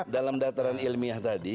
dalam dataran ilmiah tadi